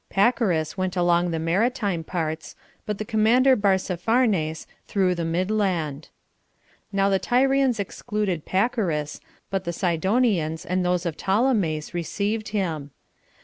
Pacorus went along the maritime parts, but the commander Barzapharnes through the midland. Now the Tyrians excluded Pacorus, but the Sidonians and those of Ptolemais received him.